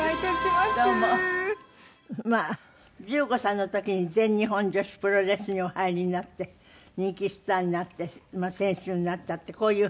まあ１５歳の時に全日本女子プロレスにお入りになって人気スターになって選手になったってこういう。